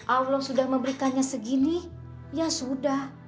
allah sudah memberikannya segini ya sudah